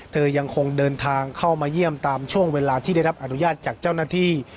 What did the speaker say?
ยังคงเดินทางเข้ามาเยี่ยมตามช่วงเวลาที่ได้รับอนุญาตจากเจ้าหน้าที่